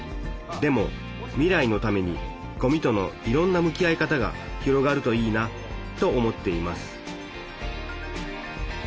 でも未来のためにごみとのいろんな向き合い方が広がるといいなと思っています